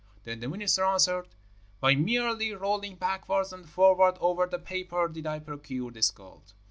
Then the minister answered, 'By merely rolling backwards and forwards over this paper did I procure this gold.'